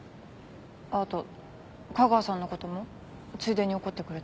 あと架川さんの事もついでに怒ってくれて。